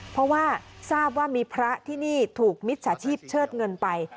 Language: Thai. เพราะว่าทราบว่ามีพระที่นี่ถูกมิจฉาชีพเชิดเงินไป